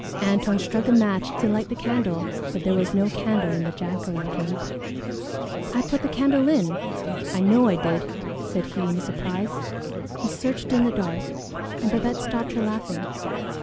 Antone struck a match to light the candle, but there was no candle in the jack o' lantern. "I put the candle in; I know I did," said he in surprise. He searched in the dark, and Babette stopped her laughing.